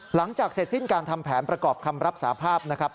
หลังจากเสร็จสิ้นการทำแผนประกอบคำรับสาภาพนะครับ